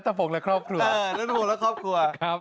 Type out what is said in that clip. นัทธพงค์และครอบครัว